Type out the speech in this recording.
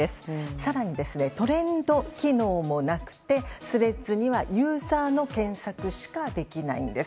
更に、トレンド機能もなくてＴｈｒｅａｄｓにはユーザーの検索しかできないんです。